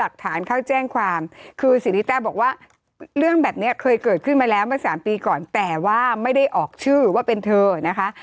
หลักฐานเข้าแจ้งความคือสิริต้าบอกว่าเรื่องแบบนี้เคยเกิดขึ้นมาแล้วเมื่อสามปีก่อนแต่ว่าไม่ได้ออกชื่อว่าเป็นเธอนะคะ